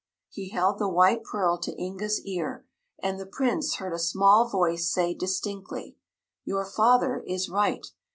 He held the white pearl to Inga's ear and the Prince heard a small voice say distinctly: "Your father is right.